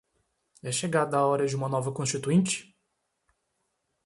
É chegada a hora de uma nova Constituinte?